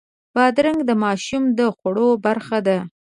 بادرنګ د ماشوم د خوړو برخه ده.